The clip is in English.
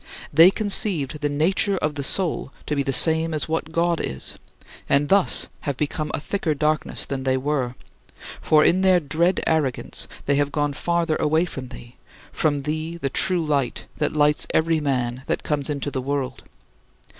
They conceived the nature of the soul to be the same as what God is, and thus have become a thicker darkness than they were; for in their dread arrogance they have gone farther away from thee, from thee "the true Light, that lights every man that comes into the world."